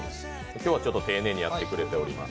今日はちょっと丁寧にやってくれています。